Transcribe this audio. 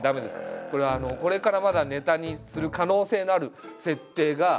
これはこれからまだネタにする可能性のある設定が。